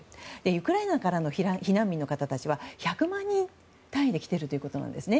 ウクライナからの避難民の方たち１００万人単位で来てるということなんですね。